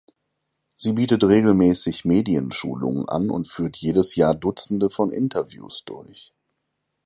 Sie bietet regelmäßig Medienschulungen an und führt jedes Jahr Dutzende von Interviews durch.